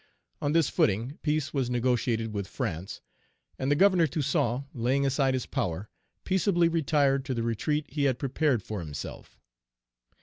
On this footing, peace was negotiated with France; and the Governor Toussaint, laying aside his power, peaceably retired to the retreat he had prepared for himself.